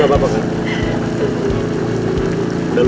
aduh ya allah